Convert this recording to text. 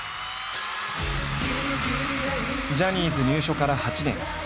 ジャニーズ入所から８年。